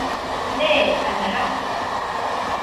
Nee, ana jadɨ